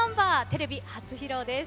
テレビ初披露です。